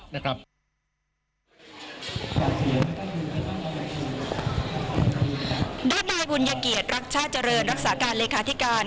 ด้านนายบุญยเกียรติรักชาติเจริญรักษาการเลขาธิการ